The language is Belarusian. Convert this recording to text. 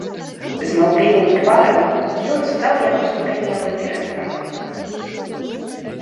З маўклівым тварам ён стаў, як аслупянелы, перад брамаю.